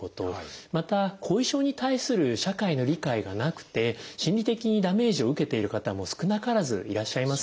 また後遺症に対する社会の理解がなくて心理的にダメージを受けている方も少なからずいらっしゃいます。